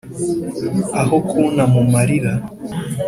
aho kunta mu malira!